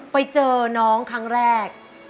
ไปเจอน้องครั้งแรก